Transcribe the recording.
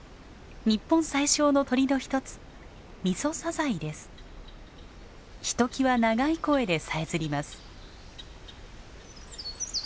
日本最小の鳥の一つひときわ長い声でさえずります。